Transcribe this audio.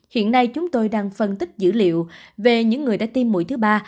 hiện nay chúng tôi đang phân tích dữ liệu về những người đã tiêm mũi thứ ba